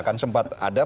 kan sempat ada